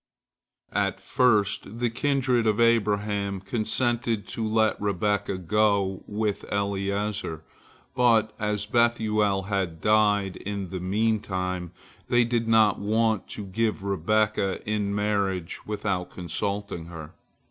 At first the kindred of Abraham consented to let Rebekah go with Eliezer, but as Bethuel had died in the meantime, they did not want to give Rebekah in marriage without consulting her.